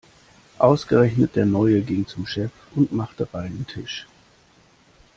Ausgerechnet der Neue ging zum Chef und machte reinen Tisch.